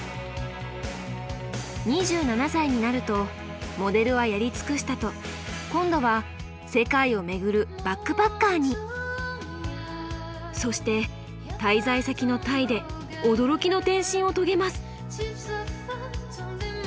２７歳になるとモデルはやり尽くしたと今度はそして滞在先のタイで驚きの転身を遂げます。